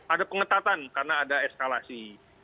ada pengetatan karena ada eskalasi